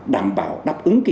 đảm bảo đáp ứng